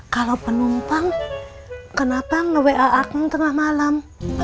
kalau penumpang kenapa nge wa aku tengah malam